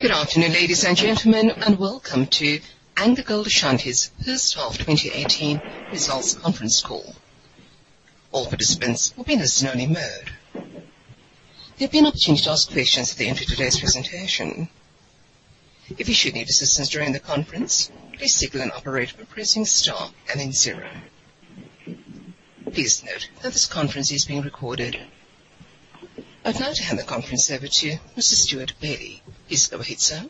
Good afternoon, ladies and gentlemen, and welcome to AngloGold Ashanti's H1 2018 Results Conference Call. All participants will be in a listen-only mode. There will be an opportunity to ask questions at the end of today's presentation. If you should need assistance during the conference, please signal an operator by pressing star and then zero. Please note that this conference is being recorded. I'd now to hand the conference over to you, Mr. Stewart Bailey. Please go ahead, sir.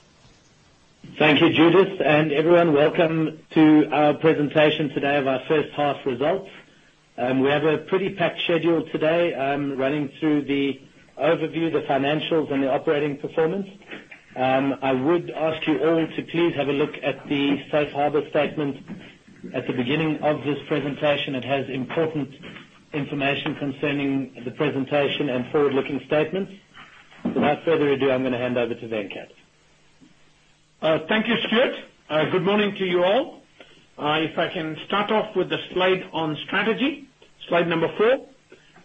Thank you, Judith, everyone welcome to our presentation today of our first half results. We have a pretty packed schedule today, running through the overview, the financials, and the operating performance. I would ask you all to please have a look at the safe harbor statement at the beginning of this presentation. It has important information concerning the presentation and forward-looking statements. Without further ado, I'm going to hand over to Venkat. Thank you, Stewart. Good morning to you all. If I can start off with the slide on strategy, slide number four.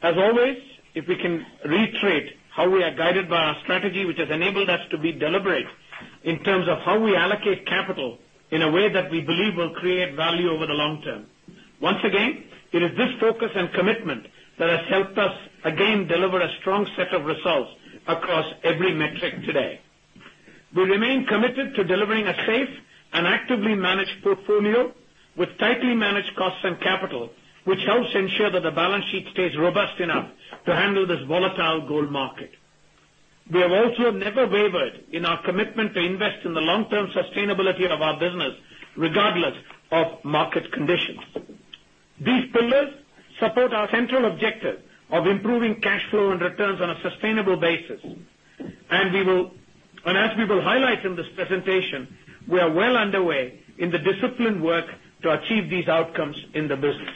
As always, if we can reiterate how we are guided by our strategy, which has enabled us to be deliberate in terms of how we allocate capital in a way that we believe will create value over the long term. Once again, it is this focus and commitment that has helped us again deliver a strong set of results across every metric today. We remain committed to delivering a safe and actively managed portfolio with tightly managed costs and capital, which helps ensure that the balance sheet stays robust enough to handle this volatile gold market. We have also never wavered in our commitment to invest in the long-term sustainability of our business, regardless of market conditions. These pillars support our central objective of improving cash flow and returns on a sustainable basis. As we will highlight in this presentation, we are well underway in the disciplined work to achieve these outcomes in the business.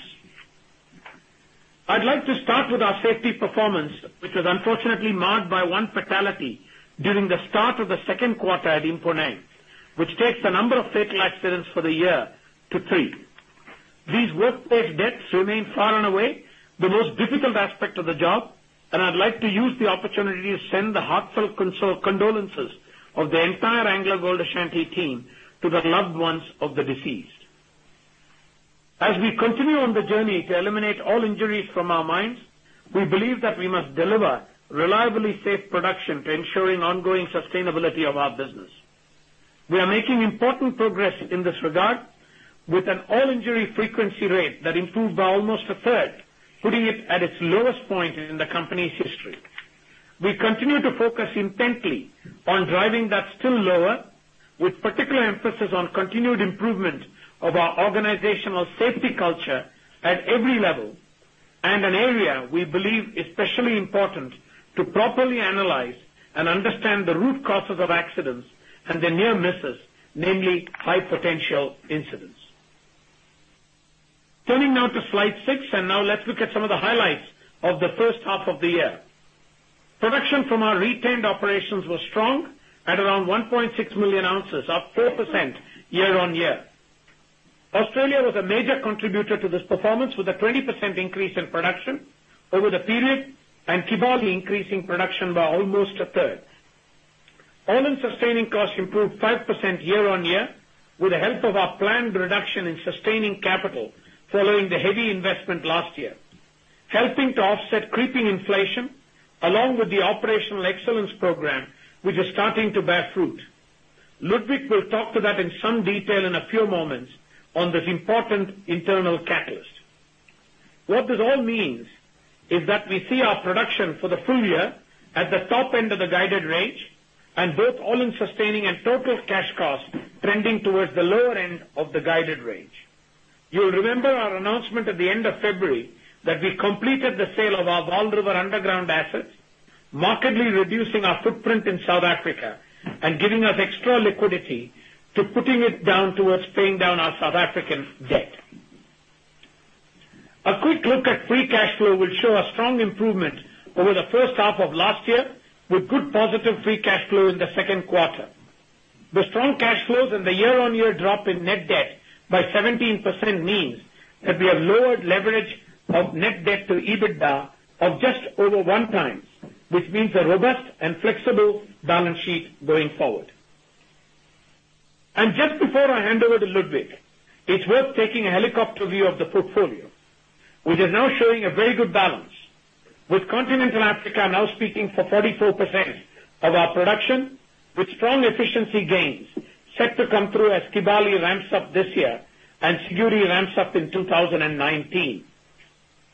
I'd like to start with our safety performance, which was unfortunately marred by one fatality during the start of the second quarter at Mponeng, which takes the number of fatal accidents for the year to three. These workplace deaths remain far and away the most difficult aspect of the job, and I'd like to use the opportunity to send the heartfelt condolences of the entire AngloGold Ashanti team to the loved ones of the deceased. As we continue on the journey to eliminate all injuries from our mines, we believe that we must deliver reliably safe production to ensuring ongoing sustainability of our business. We are making important progress in this regard with an all-injury frequency rate that improved by almost a third, putting it at its lowest point in the company's history. We continue to focus intently on driving that still lower, with particular emphasis on continued improvement of our organizational safety culture at every level, an area we believe especially important to properly analyze and understand the root causes of accidents and the near misses, namely high-potential incidents. Turning now to slide six, let's look at some of the highlights of the first half of the year. Production from our retained operations was strong at around 1.6 million ounces, up 4% year-on-year. Australia was a major contributor to this performance with a 20% increase in production over the period and Kibali increasing production by almost a third. All-in sustaining costs improved 5% year-on-year with the help of our planned reduction in sustaining capital following the heavy investment last year, helping to offset creeping inflation along with the Operational Excellence Program, which is starting to bear fruit. Ludwig will talk to that in some detail in a few moments on this important internal catalyst. What this all means is that we see our production for the full year at the top end of the guided range and both all-in sustaining and total cash costs trending towards the lower end of the guided range. You'll remember our announcement at the end of February that we completed the sale of our Vaal River underground assets, markedly reducing our footprint in South Africa and giving us extra liquidity to putting it down towards paying down our South African debt. A quick look at free cash flow will show a strong improvement over the first half of last year, with good positive free cash flow in the second quarter. The strong cash flows and the year-on-year drop in net debt by 17% means that we have lowered leverage of net debt to EBITDA of just over one times, which means a robust and flexible balance sheet going forward. Just before I hand over to Ludwig, it's worth taking a helicopter view of the portfolio, which is now showing a very good balance with continental Africa now speaking for 44% of our production, with strong efficiency gains set to come through as Kibali ramps up this year and Siguiri ramps up in 2019.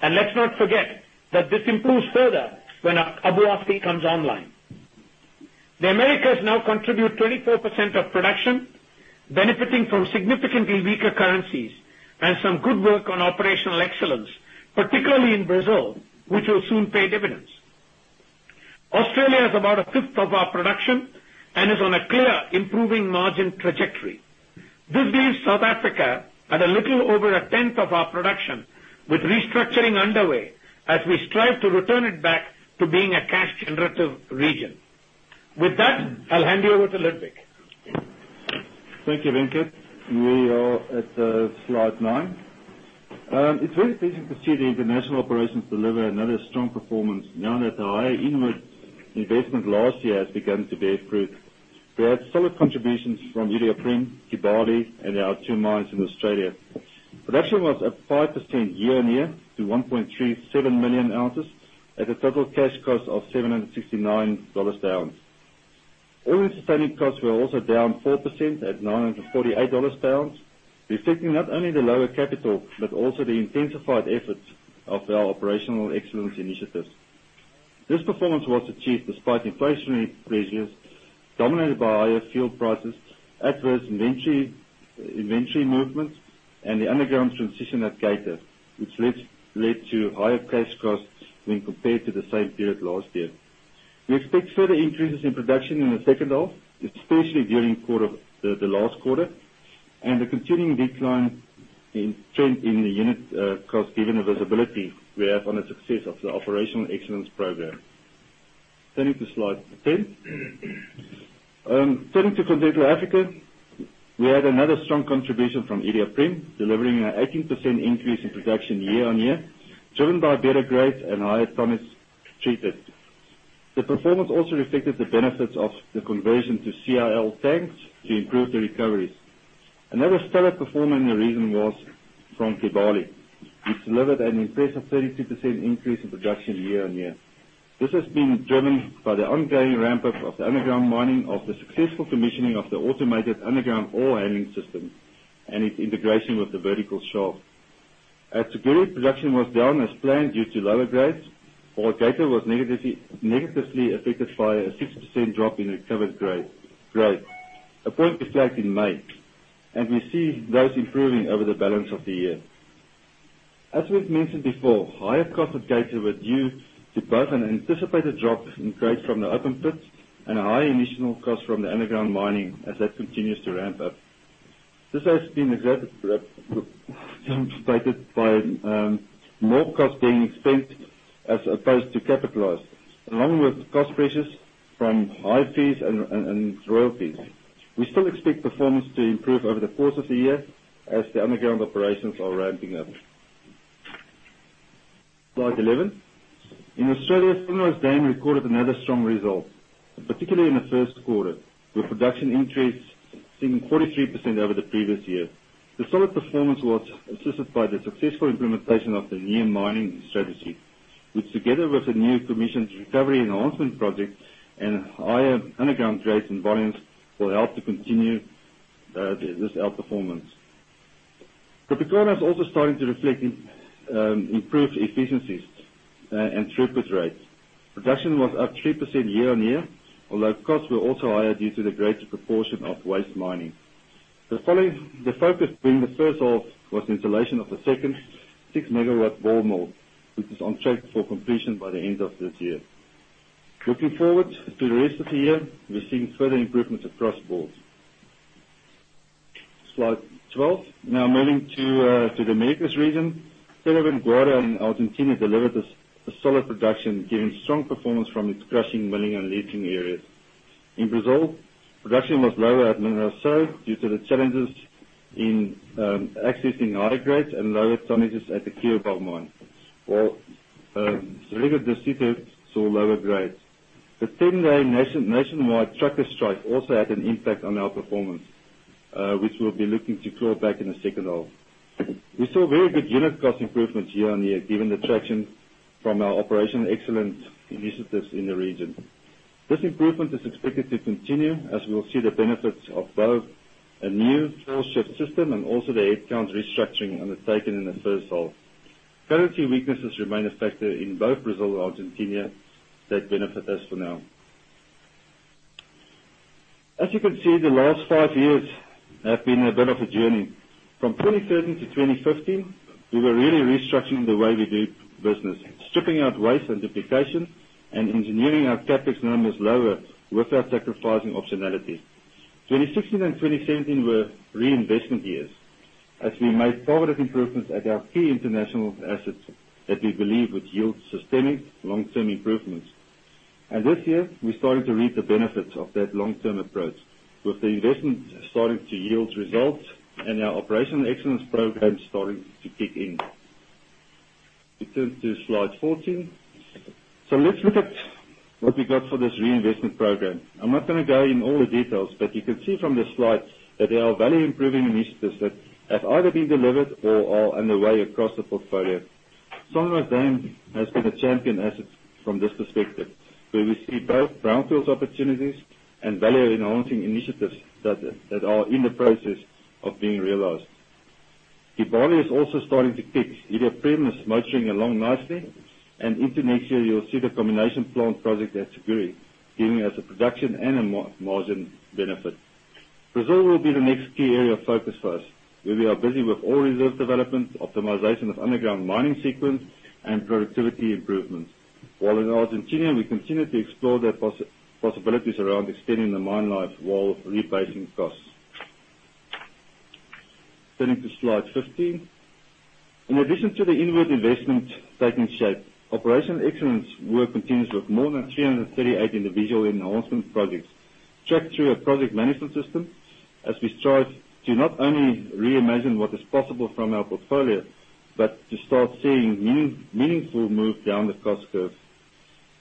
Let's not forget that this improves further when Obuasi comes online. The Americas now contribute 24% of production, benefiting from significantly weaker currencies and some good work on Operational Excellence, particularly in Brazil, which will soon pay dividends. Australia is about a fifth of our production and is on a clear improving margin trajectory. This leaves South Africa at a little over a 10th of our production with restructuring underway as we strive to return it back to being a cash-generative region. With that, I'll hand you over to Ludwig. Thank you, Venkat. We are at slide nine. It's very pleasing to see the international operations deliver another strong performance now that the higher inward investment last year has begun to bear fruit. We had solid contributions from Iduapriem, Kibali, and our two mines in Australia. Production was up 5% year-on-year to 1.37 million ounces at a total cash cost of $769 per ounce. All-in sustaining costs were also down 4% at $948 per ounce, reflecting not only the lower capital, but also the intensified efforts of our Operational Excellence initiatives. This performance was achieved despite inflationary pressures dominated by higher fuel prices, adverse inventory movements, and the underground transition at Geita, which led to higher cash costs when compared to the same period last year. We expect further increases in production in the second half, especially during the last quarter, and a continuing decline in trend in the unit cost given the visibility we have on the success of the Operational Excellence program. Turning to slide 10. Turning to Continental Africa, we had another strong contribution from Iduapriem, delivering an 18% increase in production year-on-year, driven by better grades and higher tons treated. The performance also reflected the benefits of the conversion to CIL tanks to improve the recoveries. Another stellar performer in the region was from Kibali, which delivered an impressive 32% increase in production year-on-year. This has been driven by the ongoing ramp-up of the underground mining of the successful commissioning of the automated underground ore handling system and its integration with the vertical shaft. At Siguiri, production was down as planned due to lower grades, while Geita was negatively affected by a 60% drop in recovered grade, a point reflected in May, and we see those improving over the balance of the year. As we've mentioned before, higher cost at Geita were due to both an anticipated drop in grades from the open pit and a high initial cost from the underground mining as that continues to ramp up. This has been exacerbated by more costs being expensed as opposed to capitalized, along with cost pressures from high fees and royalties. We still expect performance to improve over the course of the year as the underground operations are ramping up. Slide 11. In Australia, Sunrise Dam recorded another strong result, particularly in the first quarter, with production increase sitting 43% over the previous year. The solid performance was assisted by the successful implementation of the new mining strategy, which together with the new commissioned recovery enhancement project and higher underground grades and volumes, will help to continue this outperformance. Tropicana is also starting to reflect improved efficiencies and throughput rates. Production was up 3% year-on-year, although costs were also higher due to the greater proportion of waste mining. The focus during the first half was the installation of the second 6-megawatt ball mill, which is on track for completion by the end of this year. Looking forward to the rest of the year, we are seeing further improvements across boards. Slide 12. Now moving to the Americas region. Cerro Vanguardia in Argentina delivered a solid production, giving strong performance from its crushing, milling, and leaching areas. In Brazil, production was lower at Minaúçu due to the challenges in accessing higher grades and lower tonnages at the Cuiabá mine. Córrego do Sítio saw lower grades. The 10-day nationwide trucker strike also had an impact on our performance, which we'll be looking to claw back in the second half. We saw very good unit cost improvements year-on-year, given the traction from our Operational Excellence initiatives in the region. This improvement is expected to continue as we will see the benefits of both a new shift system and also the headcount restructuring undertaken in the first half. Currency weaknesses remain a factor in both Brazil and Argentina that benefit us for now. As you can see, the last five years have been a bit of a journey. From 2013 to 2015, we were really restructuring the way we do business, stripping out waste and duplication and engineering our CapEx numbers lower without sacrificing optionality. 2016 and 2017 were reinvestment years, as we made positive improvements at our key international assets that we believe would yield systemic long-term improvements. This year, we're starting to reap the benefits of that long-term approach, with the investment starting to yield results and our Operational Excellence program starting to kick in. We turn to slide 14. Let's look at what we got for this reinvestment program. I'm not going to go in all the details, but you can see from the slide that there are value-improving initiatives that have either been delivered or are underway across the portfolio. Sunrise Dam has been a champion asset from this perspective, where we see both brownfields opportunities and value-enhancing initiatives that are in the process of being realized. Kibali is also starting to kick. Iduapriem is motoring along nicely, and into next year, you'll see the combination plant project at Siguiri giving us a production and a margin benefit. Brazil will be the next key area of focus for us, where we are busy with ore reserve development, optimization of underground mining sequence, and productivity improvements. In Argentina, we continue to explore the possibilities around extending the mine life while reducing costs. Turning to slide 15. In addition to the inward investment taking shape, Operational Excellence work continues with more than 338 individual enhancement projects tracked through a project management system as we strive to not only reimagine what is possible from our portfolio, but to start seeing meaningful move down the cost curve.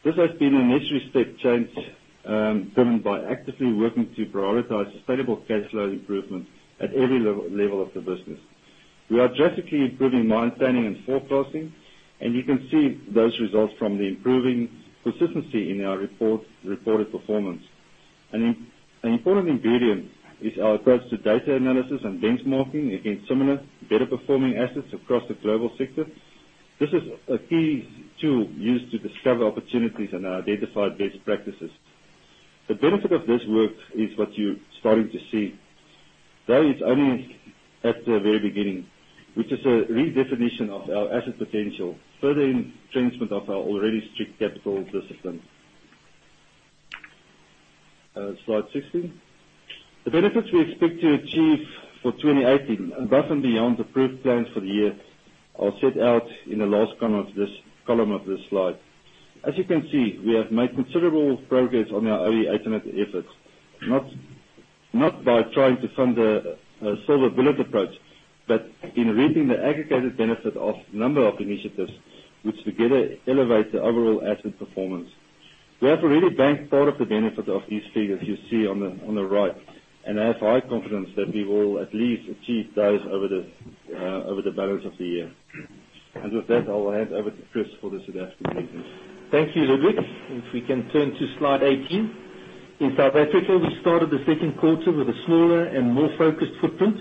This has been a necessary step change, driven by actively working to prioritize sustainable cash flow improvement at every level of the business. We are drastically improving mine planning and forecasting, and you can see those results from the improving consistency in our reported performance. An important ingredient is our approach to data analysis and benchmarking against similar better performing assets across the global sector. This is a key tool used to discover opportunities and identify best practices. The benefit of this work is what you're starting to see, though it's only at the very beginning, which is a redefinition of our asset potential, further entrenchment of our already strict capital discipline. Slide 16. The benefits we expect to achieve for 2018 above and beyond the proof plans for the year are set out in the last column of this slide. As you can see, we have made considerable progress on our OE 18 efforts, not by trying to fund a silver bullet approach, but in reaping the aggregated benefit of a number of initiatives which together elevate the overall asset performance. We have already banked part of the benefit of these figures you see on the right and have high confidence that we will at least achieve those over the balance of the year. With that, I'll hand over to Chris for the South African business. Thank you, Ludwig. If we can turn to slide 18. In South Africa, we started the second quarter with a smaller and more focused footprint.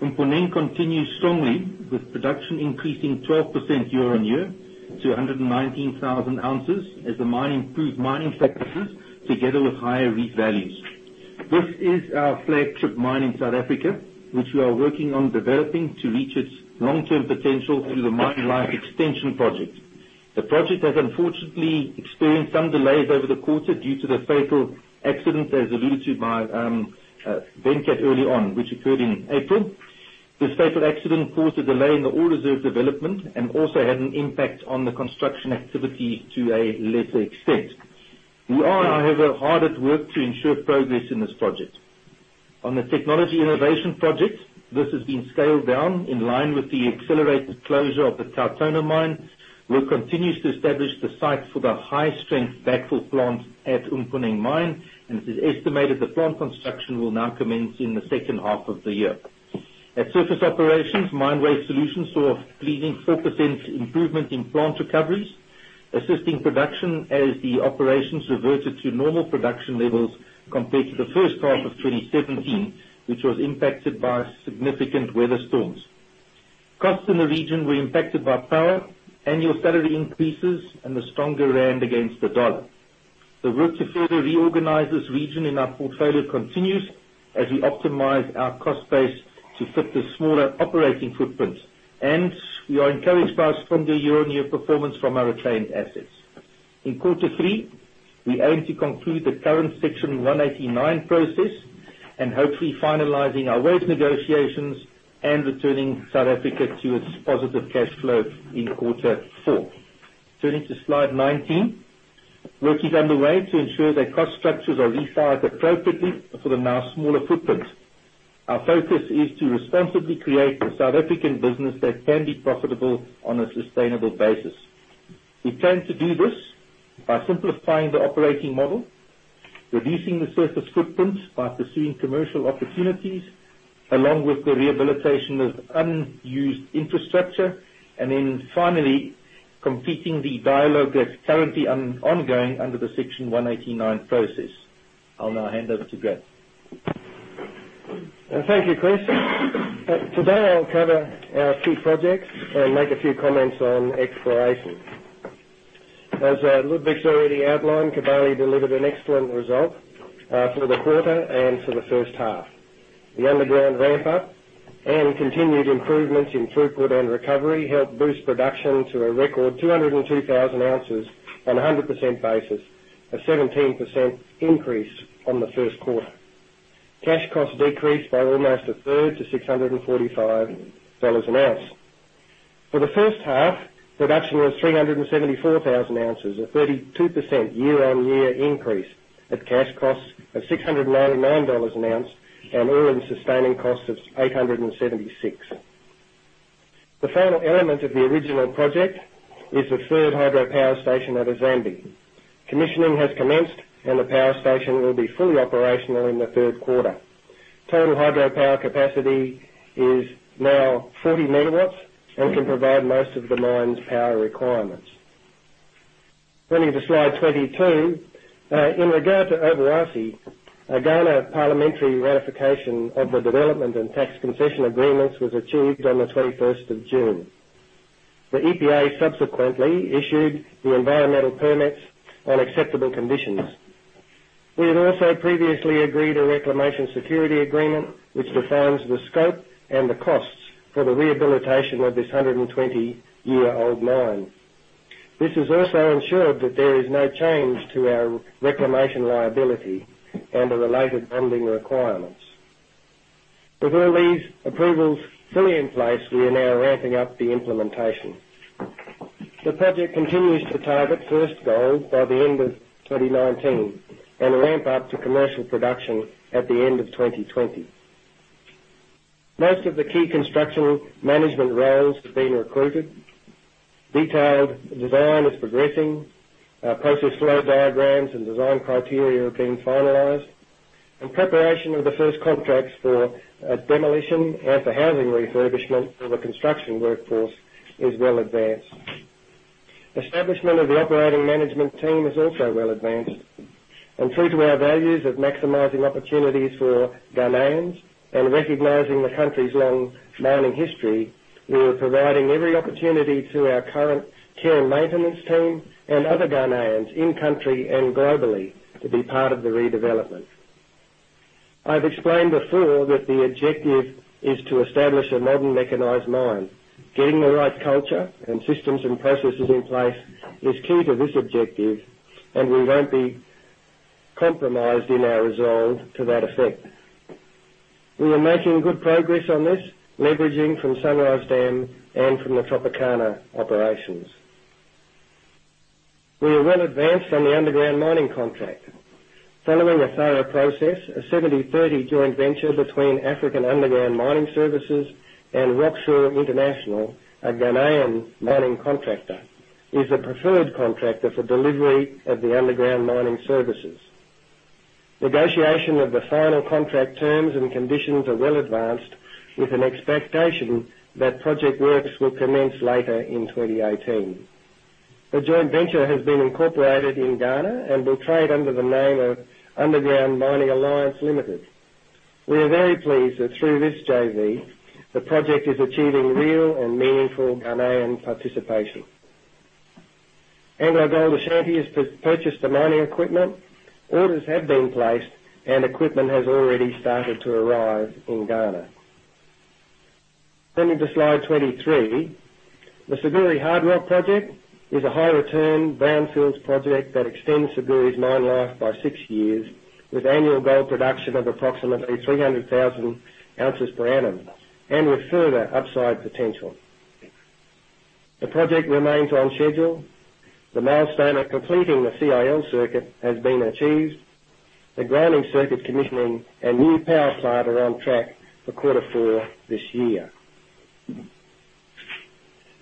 Mponeng continues strongly with production increasing 12% year-on-year to 119,000 ounces as the mine improved mining practices together with higher reef values. This is our flagship mine in South Africa, which we are working on developing to reach its long-term potential through the mine life extension project. The project has unfortunately experienced some delays over the quarter due to the fatal accident, as alluded to by Venkat early on, which occurred in April. This fatal accident caused a delay in the ore reserve development and also had an impact on the construction activity to a lesser extent. We are, however, hard at work to ensure progress in this project. On the technology innovation project, this has been scaled down in line with the accelerated closure of the TauTona mine. Work continues to establish the site for the high-strength backfill plant at Mponeng mine, and it is estimated the plant construction will now commence in the second half of the year. At surface operations, Mine Waste Solutions saw a pleasing 4% improvement in plant recoveries, assisting production as the operations reverted to normal production levels compared to the first half of 2017, which was impacted by significant weather storms. Costs in the region were impacted by power, annual salary increases, and the stronger ZAR against the USD. The work to further reorganize this region in our portfolio continues as we optimize our cost base to fit the smaller operating footprint, and we are encouraged by our stronger year-on-year performance from our retained assets. In quarter three, we aim to conclude the current Section 189 process and hopefully finalizing our wage negotiations and returning South Africa to its positive cash flow in quarter four. Turning to slide 19. Work is underway to ensure that cost structures are resized appropriately for the now smaller footprint. Our focus is to responsibly create a South African business that can be profitable on a sustainable basis. We plan to do this by simplifying the operating model, reducing the surface footprint by pursuing commercial opportunities, along with the rehabilitation of unused infrastructure, and then finally completing the dialogue that's currently ongoing under the Section 189 process. I'll now hand over to Graham. Thank you, Chris. Today I'll cover our key projects and make a few comments on exploration. As Ludwig's already outlined, Kibali delivered an excellent result for the quarter and for the first half. The underground ramp-up and continued improvements in throughput and recovery helped boost production to a record 202,000 ounces on 100% basis, a 17% increase from the first quarter. Cash costs decreased by almost a third to $645 an ounce. For the first half, production was 374,000 ounces, a 32% year-on-year increase at cash costs of $699 an ounce, and all-in sustaining costs of $876. The final element of the original project is the third hydropower station at Azambi. Commissioning has commenced, and the power station will be fully operational in the third quarter. Total hydropower capacity is now 40 MW and can provide most of the mine's power requirements. Turning to slide 22. In regard to Obuasi, a Ghana parliamentary ratification of the development and tax concession agreements was achieved on the 21st of June. The EPA subsequently issued the environmental permits on acceptable conditions. We had also previously agreed a reclamation security agreement, which defines the scope and the costs for the rehabilitation of this 120-year-old mine. This has also ensured that there is no change to our reclamation liability and the related bonding requirements. With all these approvals fully in place, we are now ramping up the implementation. The project continues to target first gold by the end of 2019 and ramp up to commercial production at the end of 2020. Most of the key construction management roles have been recruited. Detailed design is progressing. Process flow diagrams and design criteria are being finalized. Preparation of the first contracts for demolition and for housing refurbishment for the construction workforce is well advanced. Establishment of the operating management team is also well advanced. True to our values of maximizing opportunities for Ghanaians and recognizing the country's long mining history, we are providing every opportunity to our current care and maintenance team and other Ghanaians in country and globally to be part of the redevelopment. I've explained before that the objective is to establish a modern mechanized mine. Getting the right culture and systems and processes in place is key to this objective, and we won't be compromised in our resolve to that effect. We are making good progress on this, leveraging from Sunrise Dam and from the Tropicana operations. We are well advanced on the underground mining contract. Following a thorough process, a 70/30 joint venture between African Underground Mining Services and Rocksure International, a Ghanaian mining contractor, is the preferred contractor for delivery of the underground mining services. Negotiation of the final contract terms and conditions are well advanced with an expectation that project works will commence later in 2018. The joint venture has been incorporated in Ghana and will trade under the name of Underground Mining Alliance Limited. We are very pleased that through this JV, the project is achieving real and meaningful Ghanaian participation. AngloGold Ashanti is to purchase the mining equipment. Orders have been placed, and equipment has already started to arrive in Ghana. Turning to slide 23. The Siguiri Hard Rock project is a high return brownfields project that extends Siguiri's mine life by six years with annual gold production of approximately 300,000 ounces per annum and with further upside potential. The project remains on schedule. The milestone of completing the CIL circuit has been achieved. The grinding circuit commissioning and new power plant are on track for quarter four this year.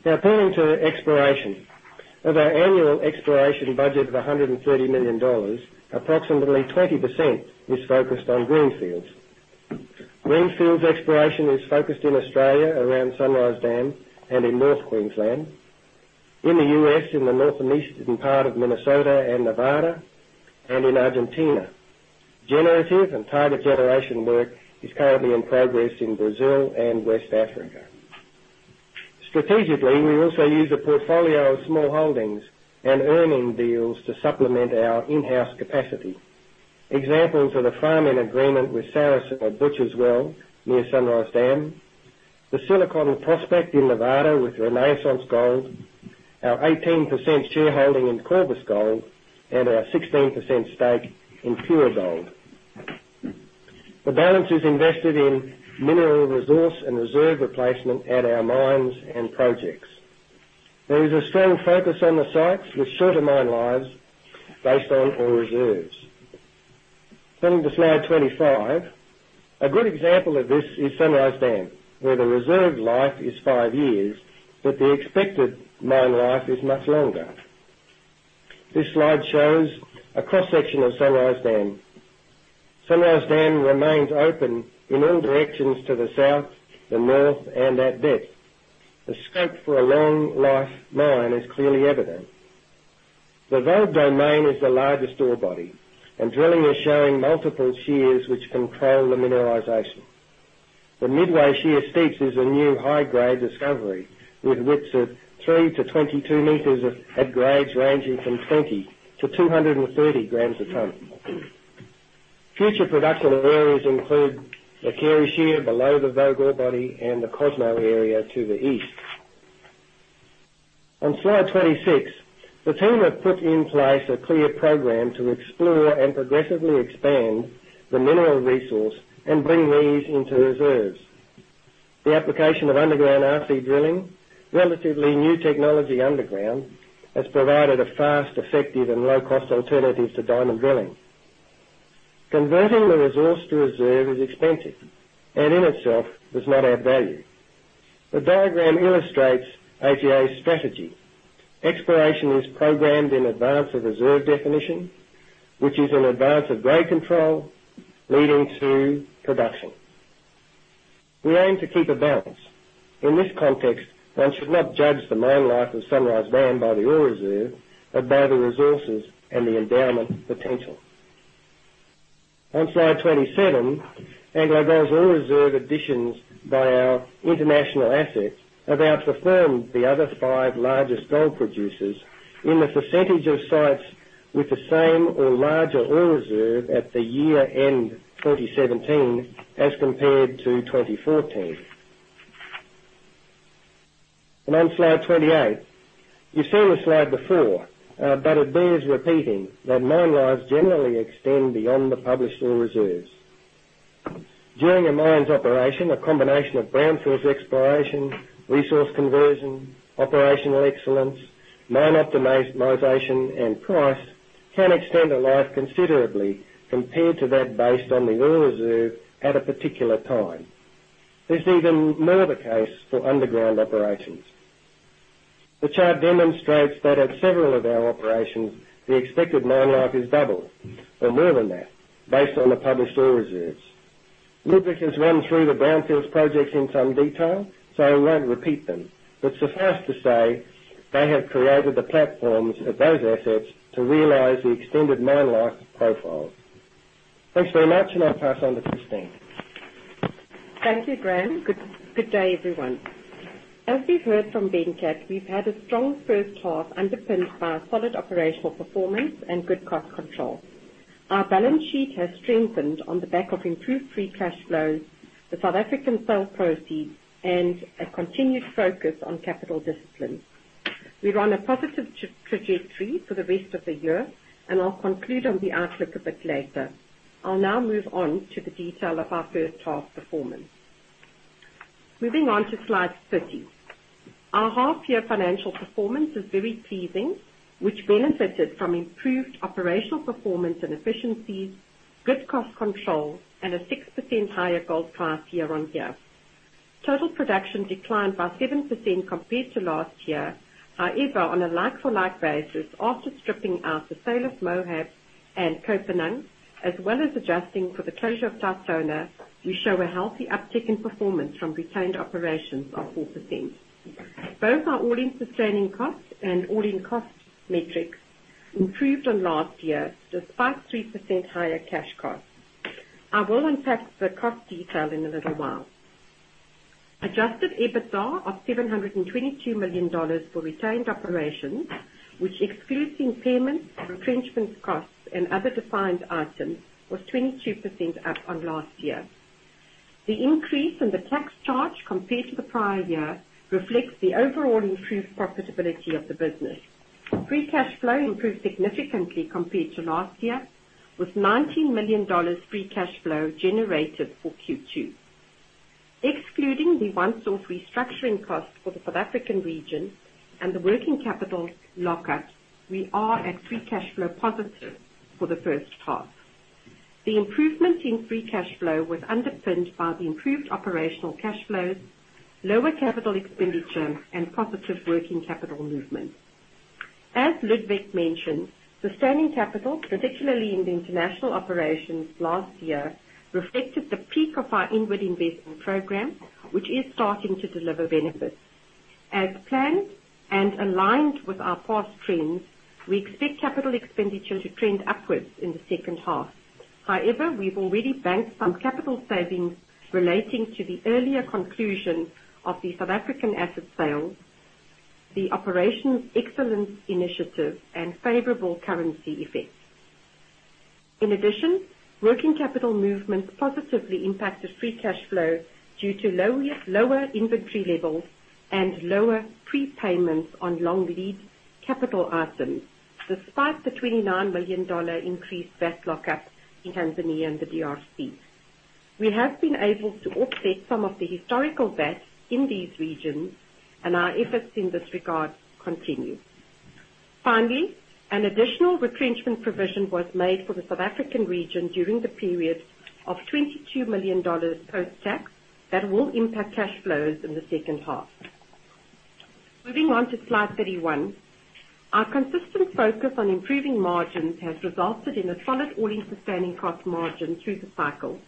Turning to exploration. Of our annual exploration budget of $130 million, approximately 20% is focused on greenfields. Greenfields exploration is focused in Australia around Sunrise Dam and in North Queensland, in the U.S. in the northeastern part of Minnesota and Nevada, and in Argentina. Generative and target generation work is currently in progress in Brazil and West Africa. Strategically, we also use a portfolio of small holdings and earning deals to supplement our in-house capacity. Examples are the farming agreement with Saracen at Butcher's Well near Sunrise Dam, the Silicon prospect in Nevada with Renaissance Gold, our 18% shareholding in Corvus Gold, and our 16% stake in Pure Gold. The balance is invested in mineral resource and ore reserve replacement at our mines and projects. There is a strong focus on the sites with shorter mine lives based on ore reserves. Turning to slide 25. A good example of this is Sunrise Dam, where the ore reserve life is five years, but the expected mine life is much longer. This slide shows a cross-section of Sunrise Dam. Sunrise Dam remains open in all directions to the south, the north, and at depth. The scope for a long-life mine is clearly evident. The Vogue domain is the largest ore body, and drilling is showing multiple shears which control the mineralization. The Midway Shear Steeps is a new high-grade discovery with widths of three to 22 meters at grades ranging from 20 to 230 grams a ton. Future production areas include the Carey Shear below the Vogue ore body and the Cosmo area to the east. On slide 26, the team have put in place a clear program to explore and progressively expand the mineral resource and bring these into ore reserves. The application of underground RC drilling, relatively new technology underground, has provided a fast, effective, and low-cost alternative to diamond drilling. Converting the mineral resource to an ore reserve is expensive and in itself does not add value. The diagram illustrates AGA's strategy. Exploration is programmed in advance of ore reserve definition, which is in advance of grade control, leading to production. We aim to keep a balance. In this context, one should not judge the mine life of Sunrise Dam by the ore reserve, but by the resources and the endowment potential. On slide 27, AngloGold's ore reserve additions by our international assets have outperformed the other five largest gold producers in the percentage of sites with the same or larger ore reserve at the year-end 2017 as compared to 2014. On slide 28, you've seen this slide before, but it bears repeating that mine lives generally extend beyond the published ore reserves. During a mine's operation, a combination of brownfields exploration, resource conversion, Operational Excellence, mine optimization, and price can extend a life considerably compared to that based on the ore reserve at a particular time. This is even more the case for underground operations. The chart demonstrates that at several of our operations, the expected mine life is double or more than that, based on the published ore reserves. Ludwig has run through the brownfields projects in some detail, I won't repeat them. Suffice to say, they have created the platforms at those assets to realize the extended mine life profiles. Thanks very much. I'll pass on to Christine. Thank you, Graham. Good day, everyone. As we've heard from Venkat, we've had a strong first half underpinned by a solid operational performance and good cost control. Our balance sheet has strengthened on the back of improved free cash flows, the South African sale proceeds, and a continued focus on capital discipline. We're on a positive trajectory for the rest of the year. I'll conclude on the outlook a bit later. I'll now move on to the detail of our first half performance. Moving on to slide 30. Our half-year financial performance is very pleasing, which benefited from improved operational performance and efficiency, good cost control, and a 6% higher gold price year-on-year. Total production declined by 7% compared to last year. On a like-for-like basis, after stripping out the sale of Moab and Kopanang, as well as adjusting for the closure of TauTona, we show a healthy uptick in performance from retained operations of 4%. Both our all-in sustaining costs and all-in cost metrics improved on last year, despite 3% higher cash costs. I will unpack the cost detail in a little while. Adjusted EBITDA of $722 million for retained operations, which excludes impairments, retrenchment costs, and other defined items, was 22% up on last year. The increase in the tax charge compared to the prior year reflects the overall improved profitability of the business. Free cash flow improved significantly compared to last year, with $19 million free cash flow generated for Q2. Excluding the once-off restructuring costs for the South African region and the working capital lock-up, we are at free cash flow positive for the first half. The improvement in free cash flow was underpinned by the improved operational cash flows, lower capital expenditure, and positive working capital movement. As Ludwig mentioned, sustaining capital, particularly in the international operations last year, reflected the peak of our inward investment program, which is starting to deliver benefits. As planned and aligned with our past trends, we expect capital expenditure to trend upwards in the second half. We've already banked some capital savings relating to the earlier conclusion of the South African asset sale, the Operations Excellence Initiative, and favorable currency effects. Working capital movements positively impacted free cash flow due to lower inventory levels and lower prepayments on long-lead capital items, despite the $29 million increased VAT lock-up in Tanzania and the DRC. We have been able to offset some of the historical VAT in these regions. Our efforts in this regard continue. Finally, an additional retrenchment provision was made for the South African region during the period of $22 million post-tax that will impact cash flows in the second half. Moving on to slide 31. Our consistent focus on improving margins has resulted in a solid all-in sustaining cost margin through the cycle.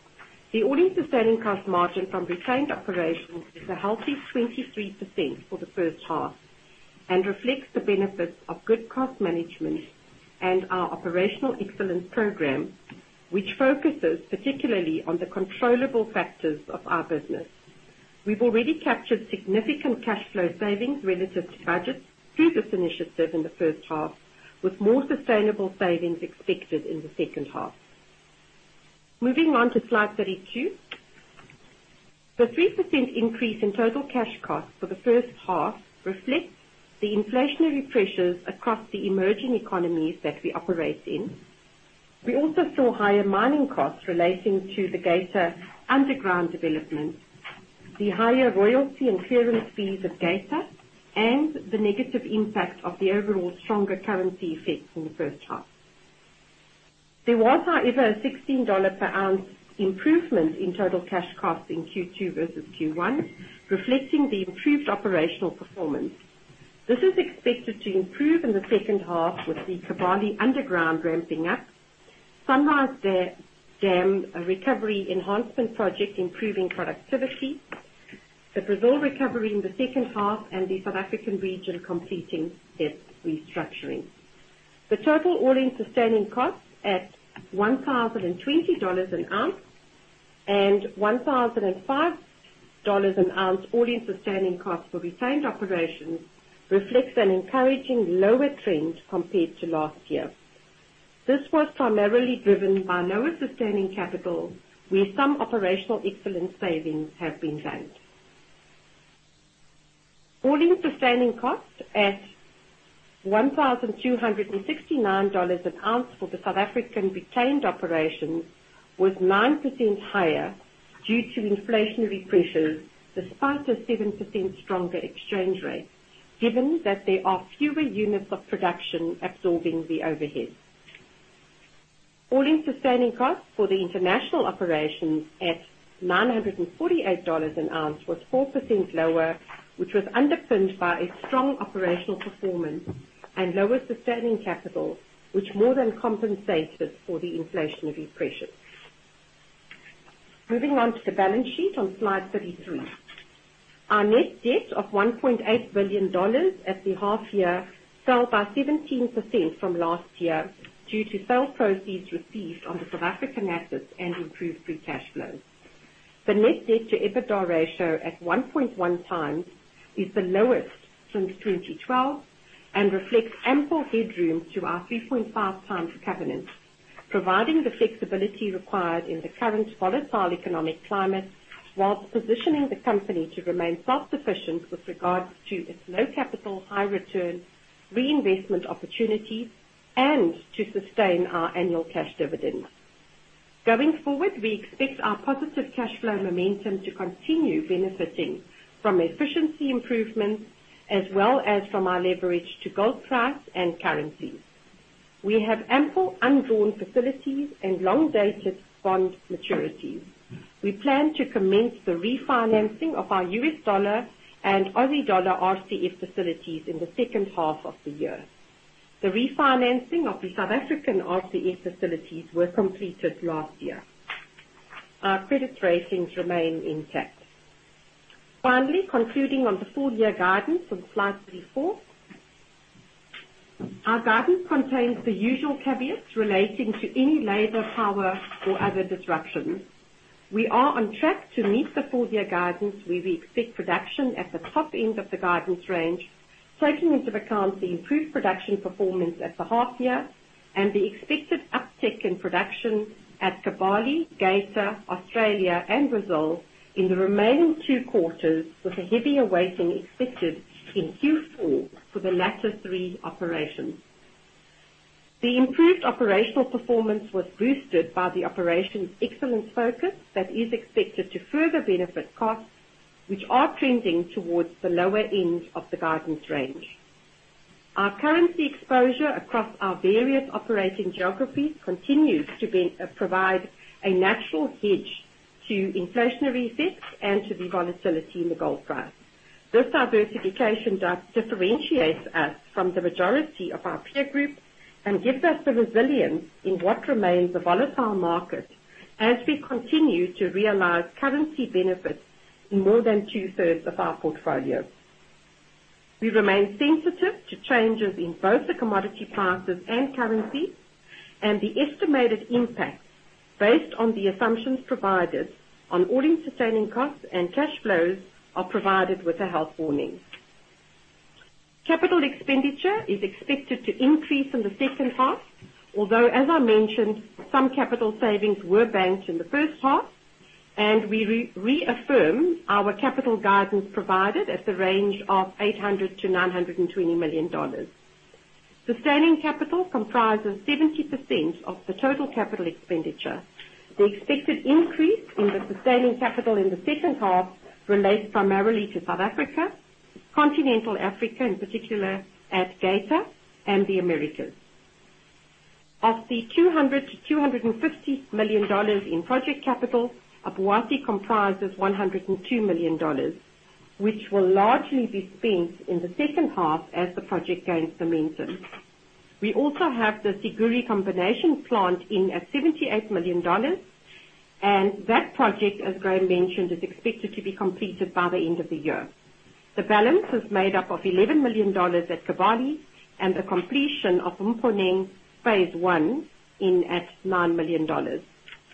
The all-in sustaining cost margin from retained operations is a healthy 23% for the first half and reflects the benefits of good cost management and our Operational Excellence Program, which focuses particularly on the controllable factors of our business. We've already captured significant cash flow savings relative to budgets through this initiative in the first half, with more sustainable savings expected in the second half. Moving on to slide 32. The 3% increase in total cash costs for the first half reflects the inflationary pressures across the emerging economies that we operate in. We also saw higher mining costs relating to the Geita underground development, the higher royalty and clearance fees at Geita, and the negative impact of the overall stronger currency effects in the first half. There was, however, a $16 per ounce improvement in total cash costs in Q2 versus Q1, reflecting the improved operational performance. This is expected to improve in the second half with the Kibali underground ramping up, Sunrise Dam Recovery Enhancement project improving productivity, the Brazil recovery in the second half, and the South African region completing its restructuring. The total all-in sustaining costs at $1,020 an ounce and $1,005 an ounce all-in sustaining cost for retained operations reflects an encouraging lower trend compared to last year. This was primarily driven by lower sustaining capital, where some Operational Excellence savings have been banked. All-in sustaining costs at $1,269 an ounce for the South African retained operations was 9% higher due to inflationary pressures, despite a 7% stronger exchange rate, given that there are fewer units of production absorbing the overhead. All-in sustaining costs for the international operations at $948 an ounce was 4% lower, which was underpinned by a strong operational performance and lower sustaining capital, which more than compensated for the inflationary pressures. Moving on to the balance sheet on slide 33. Our net debt of $1.8 billion at the half year fell by 17% from last year due to sale proceeds received on the South African assets and improved free cash flow. The net debt to EBITDA ratio at 1.1 times is the lowest since 2012 and reflects ample headroom to our 3.5 times covenant, providing the flexibility required in the current volatile economic climate, whilst positioning the company to remain self-sufficient with regards to its low capital, high return reinvestment opportunities and to sustain our annual cash dividend. Going forward, we expect our positive cash flow momentum to continue benefiting from efficiency improvements as well as from our leverage to gold price and currencies. We have ample undrawn facilities and long-dated bond maturities. We plan to commence the refinancing of our US dollar and AUD RCF facilities in the second half of the year. The refinancing of the South African RCF facilities were completed last year. Our credit ratings remain intact. Finally, concluding on the full year guidance on slide 34. Our guidance contains the usual caveats relating to any labor, power, or other disruptions. We are on track to meet the full year guidance, where we expect production at the top end of the guidance range, taking into account the improved production performance at the first half and the expected uptick in production at Kibali, Geita, Australia, and Brazil in the remaining two quarters with a heavier weighting expected in Q4 for the latter three operations. The improved operational performance was boosted by the Operational Excellence focus that is expected to further benefit costs, which are trending towards the lower end of the guidance range. Our currency exposure across our various operating geographies continues to provide a natural hedge to inflationary effects and to the volatility in the gold price. This diversification differentiates us from the majority of our peer group and gives us the resilience in what remains a volatile market as we continue to realize currency benefits in more than two-thirds of our portfolio. We remain sensitive to changes in both the commodity prices and currency, and the estimated impacts based on the assumptions provided on All-in sustaining costs and cash flows are provided with a health warning. Capital expenditure is expected to increase in the second half, although as I mentioned, some capital savings were banked in the first half, and we reaffirm our capital guidance provided at the range of $800 million-$920 million. Sustaining capital comprises 70% of the total capital expenditure. The expected increase in the sustaining capital in the second half relates primarily to South Africa, continental Africa, in particular at Geita, and the Americas. Of the $200 million-$250 million in project capital, Obuasi comprises $102 million, which will largely be spent in the second half as the project gains momentum. We also have the Siguiri combination plant in at $78 million, and that project, as Graham mentioned, is expected to be completed by the end of the year. The balance is made up of $11 million at Kibali and the completion of Mponeng phase one in at $9 million.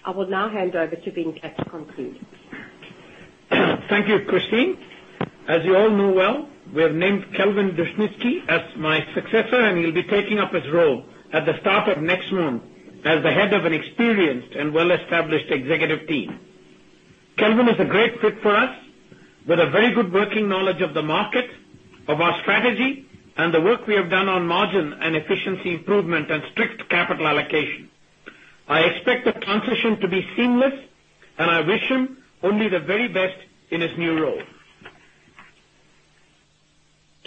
I will now hand over to Venkat to conclude. Thank you, Christine. As you all know well, we have named Kelvin Dushnisky as my successor, and he'll be taking up his role at the start of next month as the head of an experienced and well-established executive team. Kelvin is a great fit for us with a very good working knowledge of the market, of our strategy, and the work we have done on margin and efficiency improvement and strict capital allocation. I expect the transition to be seamless, and I wish him only the very best in his new role.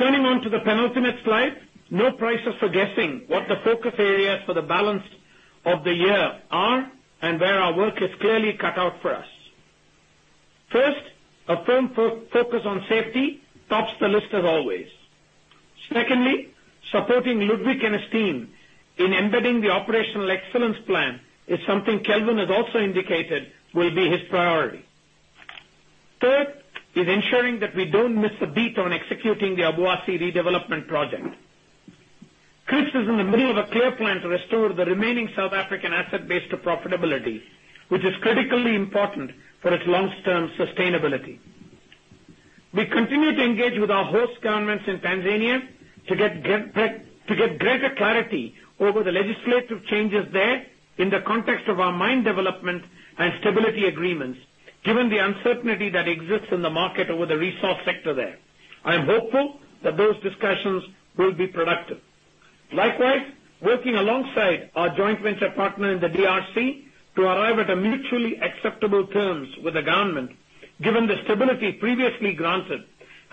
Turning on to the penultimate slide, no prizes for guessing what the focus areas for the balance of the year are and where our work is clearly cut out for us. First, a firm focus on safety tops the list as always. Secondly, supporting Ludwig and his team in embedding the Operational Excellence plan is something Kelvin has also indicated will be his priority. Third is ensuring that we don't miss a beat on executing the Obuasi redevelopment project. Chris is in the middle of a clear plan to restore the remaining South African asset base to profitability, which is critically important for its long-term sustainability. We continue to engage with our host governments in Tanzania to get greater clarity over the legislative changes there in the context of our mine development and stability agreements, given the uncertainty that exists in the market over the resource sector there. I am hopeful that those discussions will be productive. Likewise, working alongside our joint venture partner in the DRC to arrive at mutually acceptable terms with the government, given the stability previously granted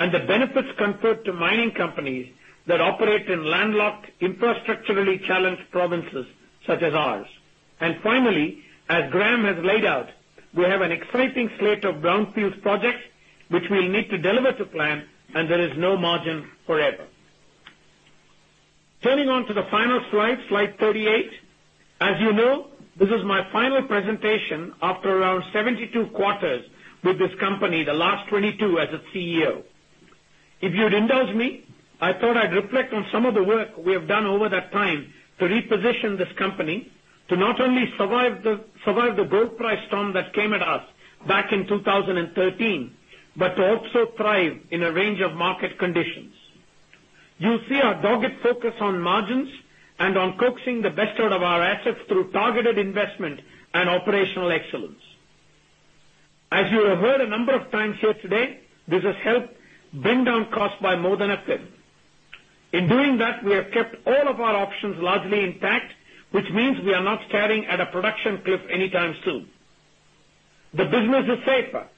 and the benefits conferred to mining companies that operate in landlocked, infrastructurally challenged provinces such as ours. Finally, as Graham has laid out, we have an exciting slate of brownfields projects which we'll need to deliver to plan, and there is no margin for error. Turning on to the final slide 38. As you know, this is my final presentation after around 72 quarters with this company, the last 22 as its CEO. If you'd indulge me, I thought I'd reflect on some of the work we have done over that time to reposition this company to not only survive the gold price storm that came at us back in 2013, but to also thrive in a range of market conditions. You see our dogged focus on margins and on coaxing the best out of our assets through targeted investment and Eperational Excellence. As you have heard a number of times here today, this has helped bring down costs by more than a third. In doing that, we have kept all of our options largely intact, which means we are not staring at a production cliff anytime soon. The business is safer.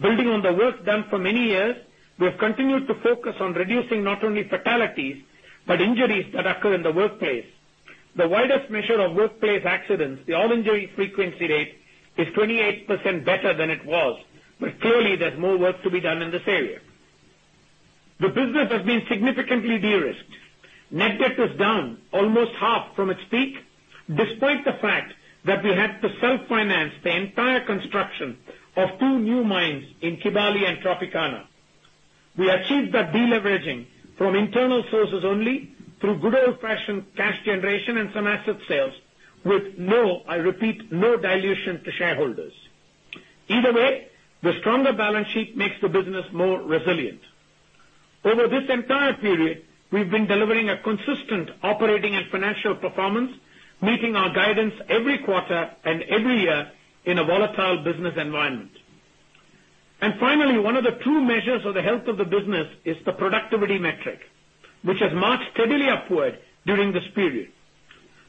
Building on the work done for many years, we have continued to focus on reducing not only fatalities but injuries that occur in the workplace. The widest measure of workplace accidents, the all-injury frequency rate, is 28% better than it was, but clearly, there's more work to be done in this area. The business has been significantly de-risked. Net debt is down almost half from its peak, despite the fact that we had to self-finance the entire construction of two new mines in Kibali and Tropicana. We achieved that de-leveraging from internal sources only through good old-fashioned cash generation and some asset sales with no, I repeat, no dilution to shareholders. Either way, the stronger balance sheet makes the business more resilient. Over this entire period, we've been delivering a consistent operating and financial performance, meeting our guidance every quarter and every year in a volatile business environment. Finally, one of the true measures of the health of the business is the productivity metric, which has marched steadily upward during this period.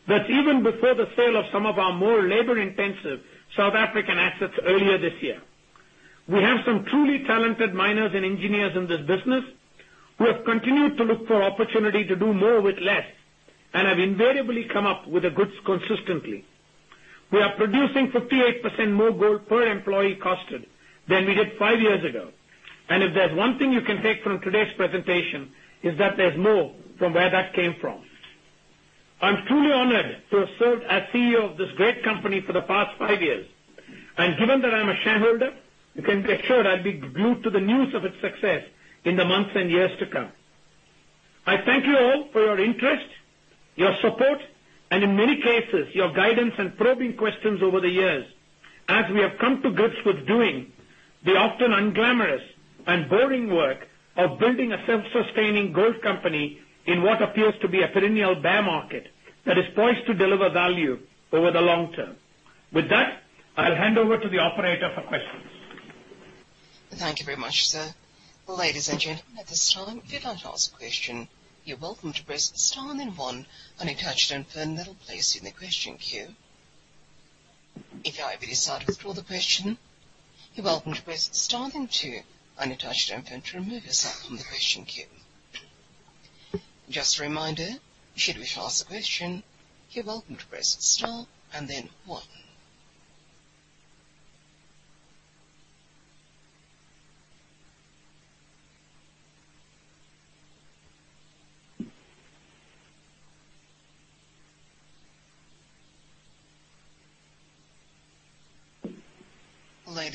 That's even before the sale of some of our more labor-intensive South African assets earlier this year. We have some truly talented miners and engineers in this business who have continued to look for opportunity to do more with less and have invariably come up with the goods consistently. We are producing 58% more gold per employee costed than we did five years ago. If there's one thing you can take from today's presentation, is that there's more from where that came from. I'm truly honored to have served as CEO of this great company for the past five years. Given that I'm a shareholder, you can be assured I'll be glued to the news of its success in the months and years to come. I thank you all for your interest, your support, and in many cases, your guidance and probing questions over the years as we have come to grips with doing the often unglamorous and boring work of building a self-sustaining gold company in what appears to be a perennial bear market that is poised to deliver value over the long term. With that, I'll hand over to the operator for questions. Thank you very much, sir. Ladies and gentlemen, at this time, if you'd like to ask a question, you're welcome to press star then one on your touchtone phone that will place you in the question queue. If you'd like to withdraw the question, you're welcome to press star then two on your touchtone phone to remove yourself from the question queue. Just a reminder, should you wish to ask a question, you're welcome to press star and then one.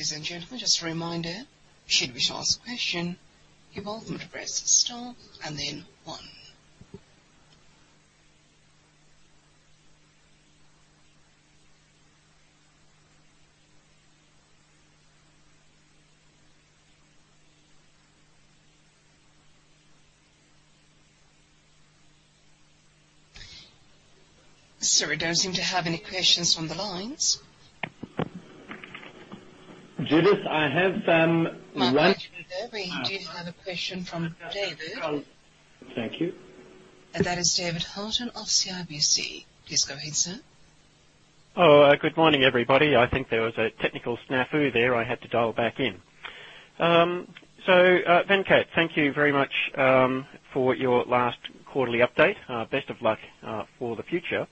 Ladies and gentlemen, just a reminder, should you wish to ask a question, you're welcome to press star and then one. Sir, we don't seem to have any questions on the lines. Judith, I have some- We do have a question from David. Thank you. That is David Haughton of CIBC. Please go ahead, sir. Hello. Good morning, everybody. I think there was a technical snafu there. I had to dial back in. Venkat, thank you very much for your last quarterly update. Best of luck for the future.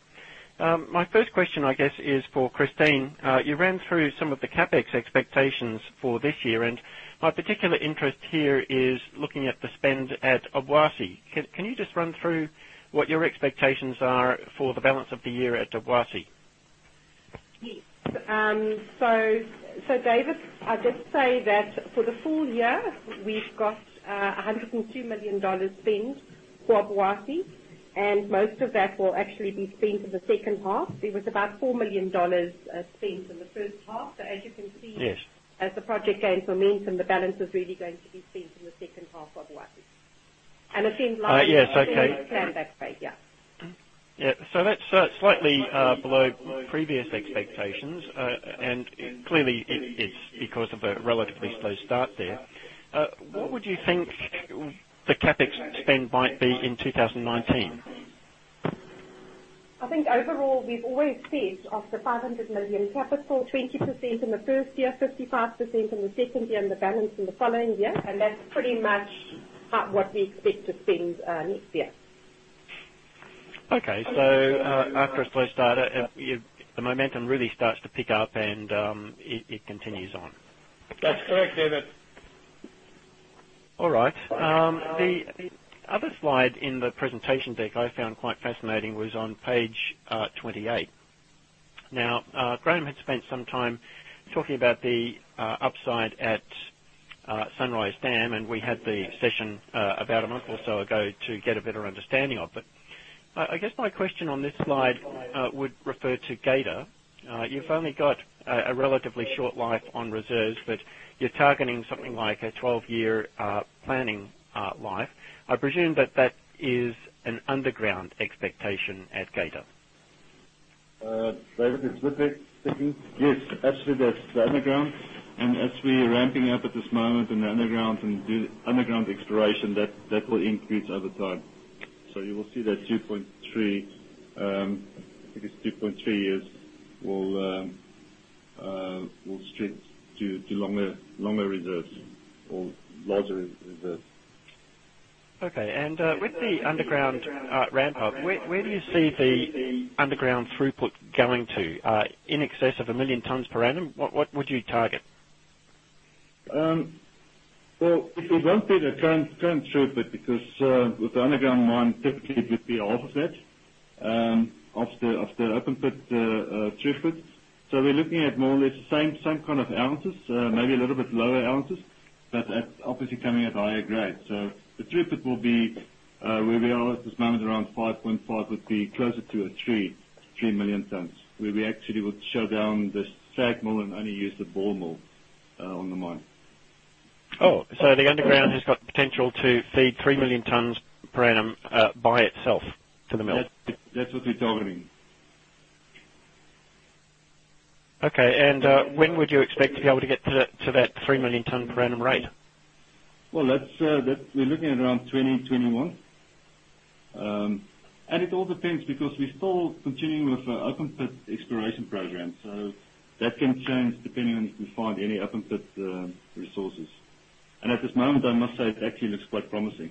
My first question, I guess, is for Christine. You ran through some of the CapEx expectations for this year, and my particular interest here is looking at the spend at Obuasi. Can you just run through what your expectations are for the balance of the year at Obuasi? Yes. David, I'd just say that for the full year, we've got. $102 million spend for Obuasi, and most of that will actually be spent in the second half. There was about $4 million spent in the first half. As you can see. Yes As the project gains momentum, the balance is really going to be spent in the second half of Obuasi. Yes, okay. spend that way. Yeah. Yeah. That's slightly below previous expectations, and clearly it's because of a relatively slow start there. What would you think the CapEx spend might be in 2019? I think overall, we've always said of the $500 million capital, 20% in the first year, 55% in the second year, and the balance in the following year, and that's pretty much what we expect to spend next year. Okay. After a slow start, the momentum really starts to pick up and it continues on. That's correct, David. All right. The other slide in the presentation deck I found quite fascinating was on page 28. Graham had spent some time talking about the upside at Sunrise Dam, and we had the session about a month or so ago to get a better understanding of it. I guess my question on this slide would refer to Gator. You've only got a relatively short life on reserves, but you're targeting something like a 12-year planning life. I presume that that is an underground expectation at Gator. David, it's Ludwig speaking. Yes, absolutely that's the underground. As we are ramping up at this moment in the underground and do underground exploration, that will increase over time. You will see that I think it's 2.3 years will stretch to longer reserves or larger reserves. Okay. With the underground ramp up, where do you see the underground throughput going to in excess of a million tons per annum? What would you target? Well, it won't be the current throughput because with the underground mine, typically it would be half of that, of the open pit throughput. We're looking at more or less the same kind of ounces, maybe a little bit lower ounces, but obviously coming at higher grades. The throughput will be where we are at this moment, around 5.5 would be closer to 3 million tons, where we actually would shut down the SAG mill and only use the ball mill on the mine. The underground has got potential to feed 3 million tons per annum by itself to the mill? That's what we're targeting. When would you expect to be able to get to that 3 million tons per annum rate? Well, we're looking at around 2021. It all depends because we're still continuing with the open pit exploration program, so that can change depending on if we find any open pit resources. At this moment, I must say it actually looks quite promising.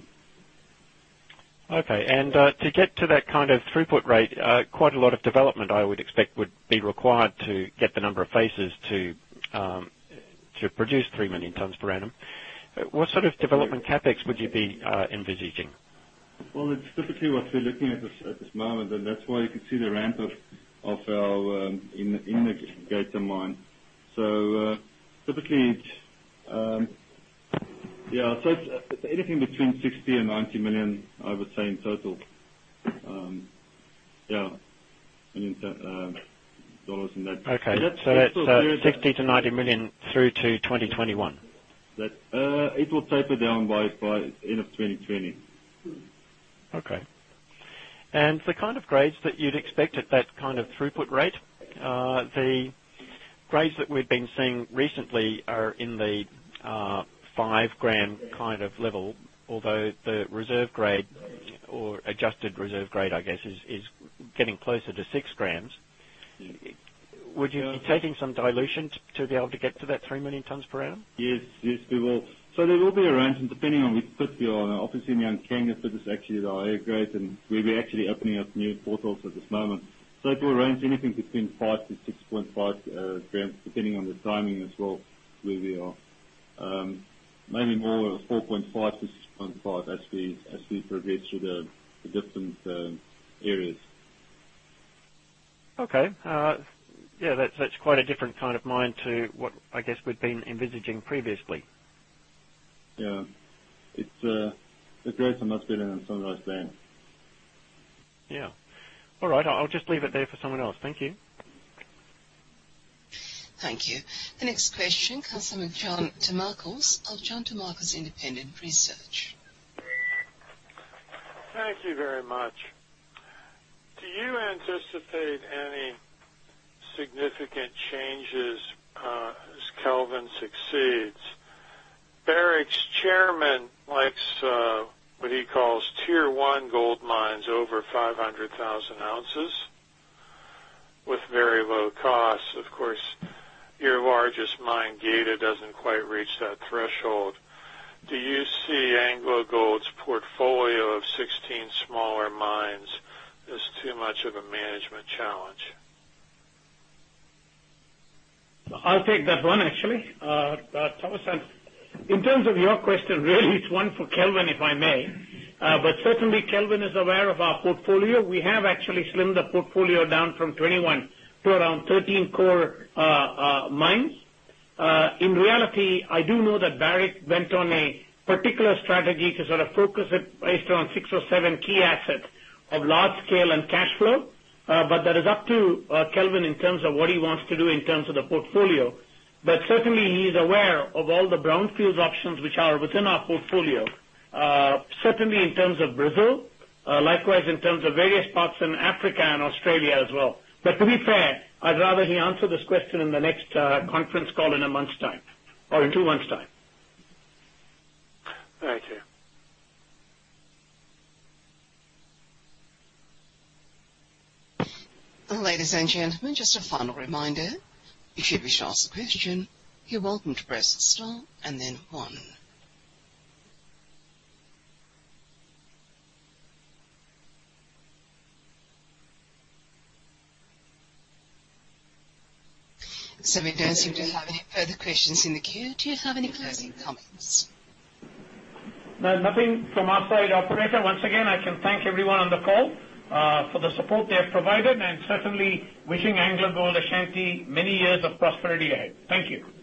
Okay. To get to that kind of throughput rate, quite a lot of development I would expect would be required to get the number of phases to produce 3 million tons per annum. What sort of development CapEx would you be envisaging? Well, it's typically what we're looking at this moment, and that's why you can see the ramp of our index Geita mine. Typically, it's anything between $60 million-$90 million, I would say, in total. Yeah. I mean, dollars in that. Okay. That's $60 million-$90 million through to 2021. It will taper down by end of 2020. Okay. The kind of grades that you'd expect at that kind of throughput rate, the grades that we've been seeing recently are in the five-gram kind of level, although the reserve grade or adjusted reserve grade, I guess, is getting closer to six grams. Would you be taking some dilution to be able to get to that three million tons per annum? Yes. Yes, we will. There will be a range and depending on which pit you're on. Obviously, in the Nyankanga pit is actually the higher grade, and we'll be actually opening up new portals at this moment. It will range anything between five to 6.5 grams, depending on the timing as well, where we are. Maybe more 4.5 to 6.5 as we progress through the different areas. Okay. Yeah, that's quite a different kind of mine to what I guess we'd been envisaging previously. Yeah. The grades are much better than Sunrise Dam. Yeah. All right. I'll just leave it there for someone else. Thank you. Thank you. The next question comes from John Tumazos of John Tumazos Independent Research. Thank you very much. Do you anticipate any significant changes as Kelvin succeeds? Barrick's chairman likes what he calls tier 1 gold mines over 500,000 ounces with very low costs. Of course, your largest mine, Geita, doesn't quite reach that threshold. Do you see AngloGold's portfolio of 16 smaller mines as too much of a management challenge? I'll take that one, actually, Thomas. In terms of your question, really, it's one for Kelvin, if I may. Certainly Kelvin is aware of our portfolio. We have actually slimmed the portfolio down from 21 to around 13 core mines. In reality, I do know that Barrick went on a particular strategy to sort of focus it based on six or seven key assets of large scale and cash flow. That is up to Kelvin in terms of what he wants to do in terms of the portfolio. Certainly he's aware of all the brownfields options which are within our portfolio. Certainly in terms of Brazil, likewise in terms of various parts in Africa and Australia as well. To be fair, I'd rather he answer this question in the next conference call in a month's time or in two months' time. All right. Ladies and gentlemen, just a final reminder. If you wish to ask a question, you're welcome to press star 1. We don't seem to have any further questions in the queue. Do you have any closing comments? No, nothing from our side, operator. Once again, I can thank everyone on the call for the support they have provided, and certainly wishing AngloGold Ashanti many years of prosperity ahead. Thank you.